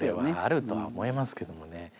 これはあるとは思いますけどもね。